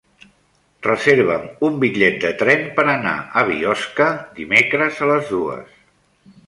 Reserva'm un bitllet de tren per anar a Biosca dimecres a les dues.